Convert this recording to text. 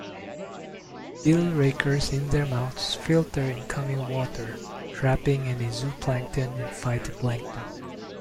Gill rakers in their mouths filter incoming water, trapping any zooplankton and phytoplankton.